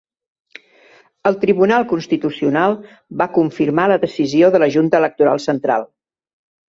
El Tribunal Constitucional va confirmar la decisió de la Junta Electoral Central.